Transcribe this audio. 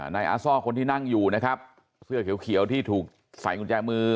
นายอาซ่อคนที่นั่งอยู่นะครับเสื้อเขียวที่ถูกใส่กุญแจมือ